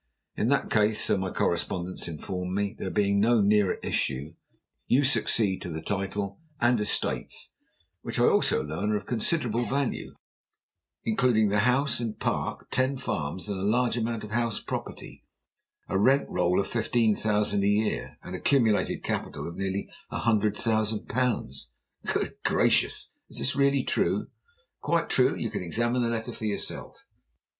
In that case, so my correspondents inform me, there being no nearer issue, you succeed to the title and estates which I also learn are of considerable value, including the house and park, ten farms, and a large amount of house property, a rent roll of fifteen thousand a year, and accumulated capital of nearly a hundred thousand pounds." "Good gracious! Is this really true?" "Quite true. You can examine the letter for yourself."